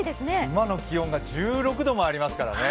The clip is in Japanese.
今の気温が１６度もありますからね。